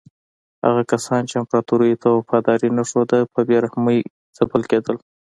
هغه کسان چې امپراتور ته یې وفاداري نه ښوده په بې رحمۍ ځپل کېدل.